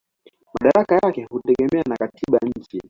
Madaraka yake hutegemea na katiba ya nchi.